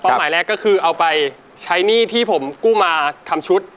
หมายแรกก็คือเอาไปใช้หนี้ที่ผมกู้มาทำชุด